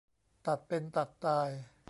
ตัดเป็นตัดตาย